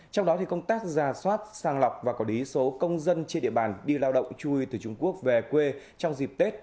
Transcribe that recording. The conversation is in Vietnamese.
trong đó công tác ra soát sàng lọc và quản lý số công dân trên địa bàn đi lao động chui từ trung quốc về quê trong dịp tết